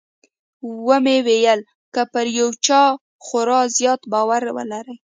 ومې ويل که پر يو چا خورا زيات باور ولرې.